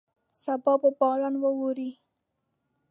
سبا به باران ووري.